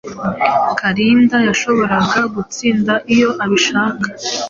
Kalinda yashoboraga gutsinda iyo abishaka.